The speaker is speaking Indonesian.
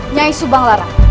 nyai subang lara